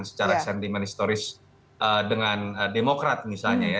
secara sentimen historis dengan demokrat misalnya ya